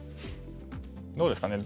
どうですかね